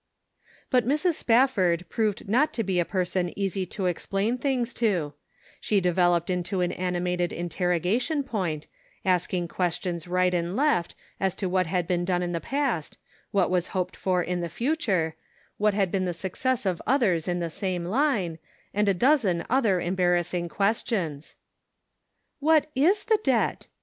But Mrs. Spafford proved not to be a person easy to explain things to ; she developed into an animated interrogation point, asking ques tions right and left as to what had been done in the past, what was hoped for in the future, what had been the success of others in the same line, and a dozen other embarrassing ques tions. " What is the debt